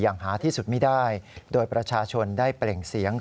หาที่สุดไม่ได้โดยประชาชนได้เปล่งเสียง